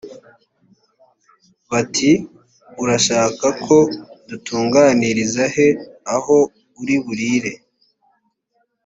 bati “ urashaka ko dutunganiriza he aho uri burire?”